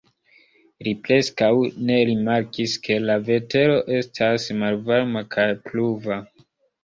Li preskaŭ ne rimarkis, ke la vetero estas malvarma kaj pluva.